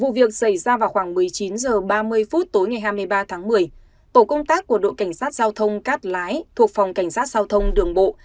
vụ việc xảy ra vào khoảng một mươi chín h ba mươi phút tối ngày hai mươi ba tháng một mươi tổ công tác của đội cảnh sát giao thông cát lái thuộc phòng cảnh sát giao thông đường bộ